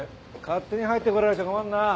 勝手に入って来られちゃ困るなぁ。